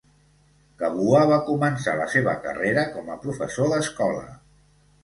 Kabua va començar la seva carrera com a professor d'escola.